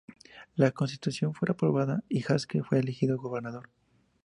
La Constitución fue aprobada y Haskell fue elegido gobernador.